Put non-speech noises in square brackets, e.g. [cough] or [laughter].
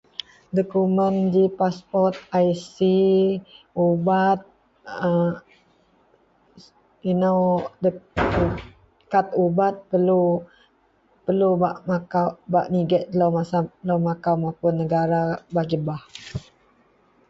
dokument ji paspot, ic, ubat a inou.. [noise] kad ubat perlu-perlu bak makau bak nigek masa telou makau mapun negara bah jebah